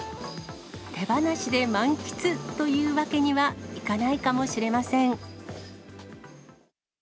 手放しで満喫というわけにはいかないかもしれません。